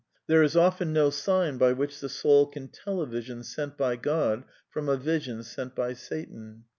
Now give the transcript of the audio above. There is often no sign by which the soul can tell a vision sent by God from a vision sent by Satan.